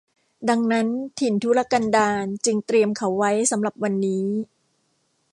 ดังนั้นถิ่นทุรกันดารจึงเตรียมเขาไว้สำหรับวันนี้